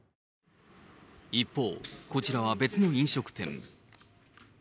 一方、こちらは別の飲食店。